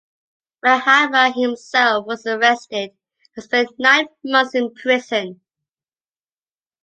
Mahatma himself was arrested and spent nine months in prison.